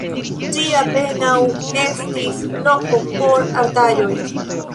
Tie apenaŭ estis loko por artaĵoj.